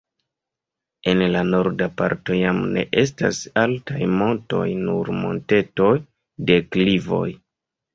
En la norda parto jam ne estas altaj montoj, nur montetoj, deklivoj.